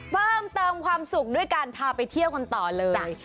เพิ่มเติมความสุขด้วยการพาไปเที่ยวกันต่อเลย